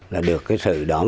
là được cái sự đóng